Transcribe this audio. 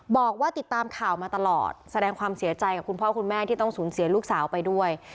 บอกว่าติดตามข่าวมาตลอดแสดงความเสียใจกับคุณพ่อคุณแม่ที่ต้องสูญเสียลูกสาวไปด้วย